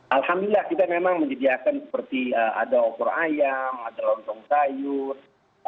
alhamdulillah kita memang menjadi akan seperti ada okur ayam ada lontong sayur